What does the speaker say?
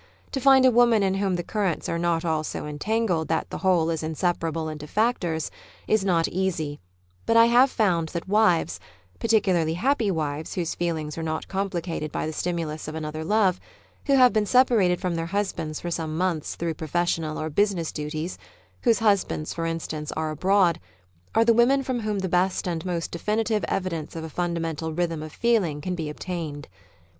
To find a woman in whom the cur rents are not all so entangled that the whole is in separable into factors, is not easy, but I have found that wives (particularly happy wives whose feelings are not complicated by the stimulus of another love) who have been separated from their husbands for some months through professional or business duties — whose husbands, for instance, are abroad — are the women from whom the best and most definitive evi dence of a fundamental rhythm of feeling can be ob tained.